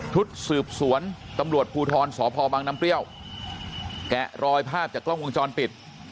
ชุดสืบสวนตำรวจภูทรสพบังน้ำเปรี้ยวแกะรอยภาพจากกล้องวงจรปิด